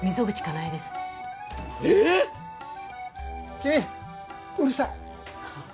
君うるさい。